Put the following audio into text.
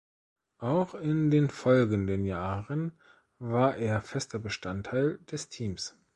Auch in den folgenden Jahren war er fester Bestandteil des Teams.